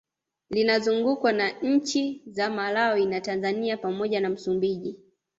Linazungukwa na nchi za Malawi na Tanzania pamoja na Msumbiji